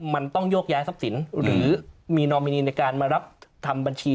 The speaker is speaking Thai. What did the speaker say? มันต้องโยกย้ายทรัพย์สินหรือมีนอมินีในการมารับทำบัญชี